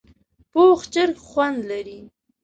پوخ چرګ خوند لري